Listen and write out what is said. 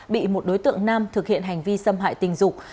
bị một đối tượng nam thực hiện hành vi xâm hại tình dục